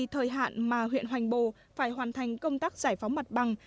thời hạn mà huyện hoành bồ phải hoàn thành công tác giải phóng mặt bằng